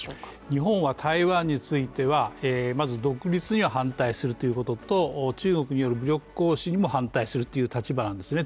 日本は台湾については、まず独立には反対するということと中国による武力行使にも反対するという立場なんですね。